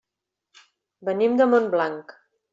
Venim de Montblanc.